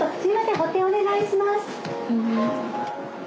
保定お願いします！